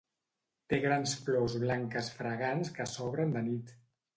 Té grans flors blanques fragants que s'obren de nit.